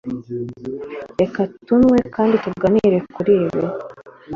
Reka tunywe kandi tuganire kuri ibi.